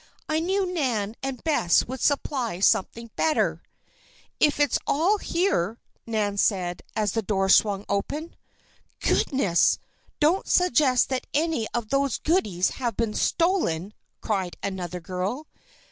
"I knew Nan and Bess would supply something better." "If it's all here," Nan said, as the door swung open. "Goodness! don't suggest that any of those goodies have been stolen!" cried another girl.